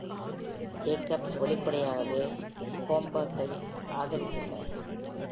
Jacobs வெளிப்படையாகவே Gomberg-கை ஆதரித்துள்ளார்.